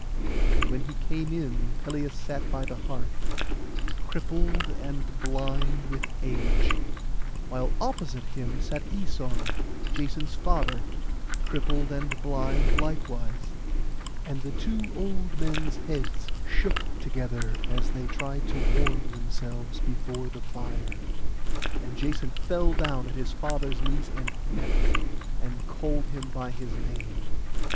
And when he came in Pelias sat by the hearth, crippled and blind with age; while opposite him sat Æson, Jason's father, crippled and blind likewise; and the two old men's heads shook together as they tried to warm themselves before the fire. And Jason fell down at his father's knees, and wept, and called him by his name.